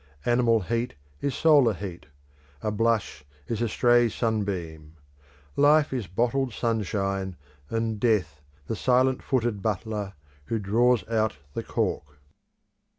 Animal heat is solar heat; a blush is a stray sunbeam; Life is bottled sunshine, and Death the silent footed butler who draws out the cork.